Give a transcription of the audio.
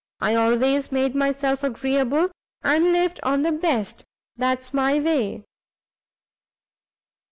I always made myself agreeable, and lived on the best. That's my way."